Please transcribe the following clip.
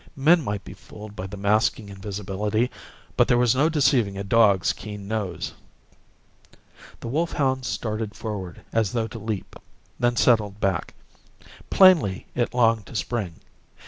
Men might be fooled by the masking invisibility, but there was no deceiving a dog's keen nose! The wolfhound started forward as though to leap, then settled back. Plainly it longed to spring.